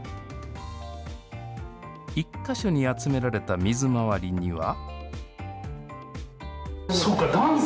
１か所に集められた水回りには。